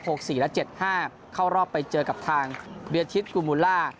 สี่และเจ็ดห้าเข้ารอบไปเจอกับทางเบียทิศกูมูลล่า